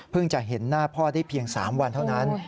จะเห็นหน้าพ่อได้เพียง๓วันเท่านั้น